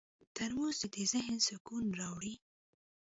ترموز د ذهن سکون راوړي.